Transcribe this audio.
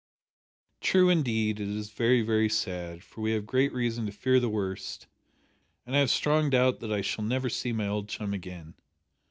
"True indeed, it is very, very sad, for we have great reason to fear the worst, and I have strong doubt that I shall never see my old chum again.